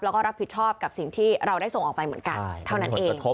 แล้วก็รับผิดชอบกับสิ่งที่เราได้ส่งออกไปเหมือนกันเท่านั้นเอง